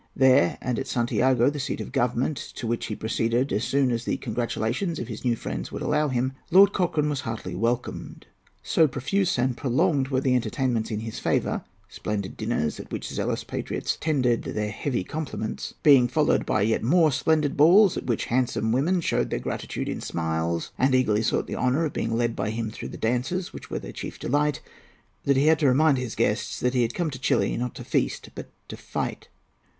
There and at Santiago, the seat of government, to which he proceeded as soon as the congratulations of his new friends would allow him, Lord Cochrane was heartily welcomed. So profuse and prolonged were the entertainments in his favour—splendid dinners, at which zealous patriots tendered their hearty compliments, being followed by yet more splendid balls, at which handsome women showed their gratitude in smiles, and eagerly sought the honour of being led by him through the dances which were their chief delight—that he had to remind his guests that he had come to Chili not to feast but to fight.